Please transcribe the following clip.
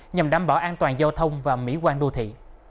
nhằm đảm bảo an toàn giao thông và mỹ quan đô thị